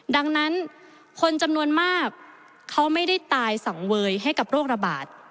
ดังนั้นคนจำนวนมากเขาไม่ได้ตายสังเวยให้กับโรคระบาด